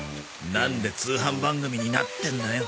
なんで通販番組になってんだよ。